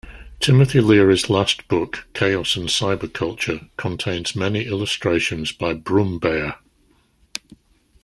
Timothy Leary's last book "Chaos and Cyberculture" contains many illustrations by Brummbaer.